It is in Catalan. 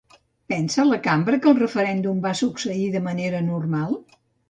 Pensa la cambra que el referèndum va succeir de manera normal?